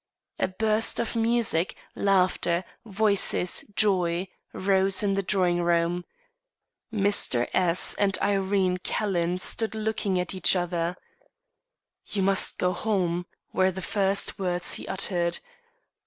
A burst of music, laughter, voices, joy, rose in the drawing room. Mr. S and Irene Calhoun stood looking at each other. "You must go home," were the first words he uttered.